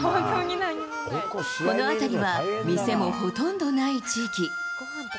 この辺りは店もほとんどない地域。